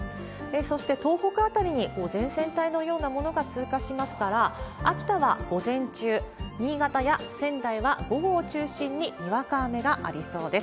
そして東北辺りに前線帯のようなものが通過しますから、秋田は午前中、新潟や仙台は午後を中心ににわか雨がありそうです。